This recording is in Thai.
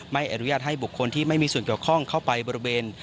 ไม่อนุญาตให้บุคคลที่ไม่มีส่วนเกี่ยวข้องเข้าไปบริเวณ